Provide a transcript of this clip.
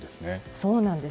そうなんです。